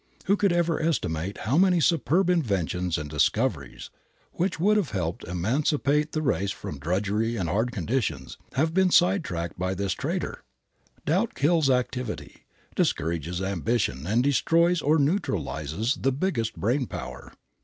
Who could ever estimate how many superb inventions and discoveries, which would have helped emancipate the race from drudgery and hard conditions, have been side tracked by this traitor! Doubt kills activity, discourages ambition and destroys or neutralizes the biggest brain power.